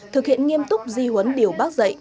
thực hiện nghiêm túc di huấn điều bác dạy